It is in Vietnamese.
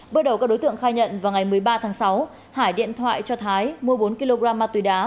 bước đầu các đối tượng khai nhận vào ngày một mươi ba tháng sáu hải điện thoại cho thái mua bốn kg ma túy đá